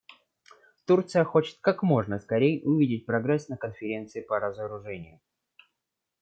Турция хочет как можно скорее увидеть прогресс на Конференции по разоружению.